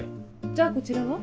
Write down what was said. じゃあこちらは？